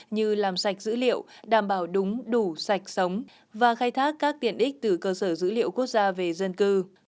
như làm sạch dữ liệu đảm bảo đúng đủ sạch sống và khai thác các tiện ích từ cơ sở dữ liệu quốc gia về dân cư